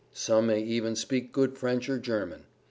Some may even speak good French or German.